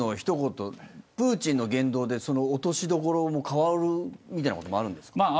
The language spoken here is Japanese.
プーチンの言動で落としどころが変わることもあるんですか。